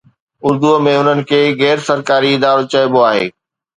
اردوءَ ۾ انهن کي غير سرڪاري ادارو چئبو آهي.